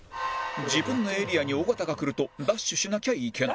自分のエリアに尾形が来るとダッシュしなきゃいけない